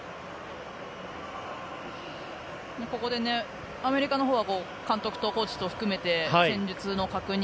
ここでアメリカのほうは監督とコーチ含めて戦術の確認